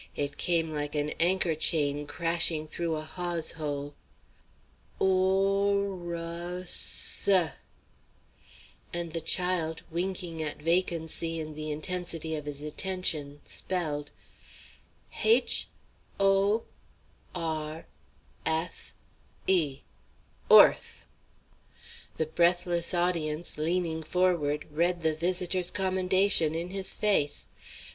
It came like an anchor chain crashing through a hawse hole. "Or r r r rus seh!" And the child, winking at vacancy in the intensity of his attention, spelled: "Haich o r eth e, 'Orthe." The breathless audience, leaning forward, read the visitor's commendation in his face.